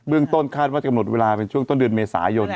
ต้นคาดว่ากำหนดเวลาเป็นช่วงต้นเดือนเมษายน